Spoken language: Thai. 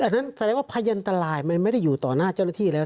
นั่นแสดงว่าพยันตรายมันไม่ได้อยู่ต่อหน้าเจ้าหน้าที่แล้ว